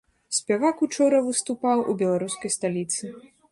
Спявак учора выступаў у беларускай сталіцы.